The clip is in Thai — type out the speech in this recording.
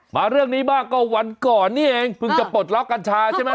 มาเรื่องนี้บ้างก็วันก่อนนี่เองเพิ่งจะปลดล็อกกัญชาใช่ไหม